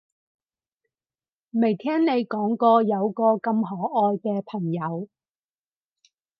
未聽你講過有個咁可愛嘅朋友